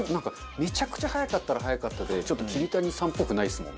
めちゃくちゃ早かったら早かったで桐谷さんっぽくないですもん。